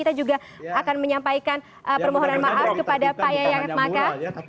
kita juga akan menyampaikan permohonan maaf kepada pak yayang maka